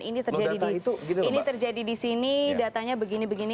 ini terjadi di sini datanya begini begini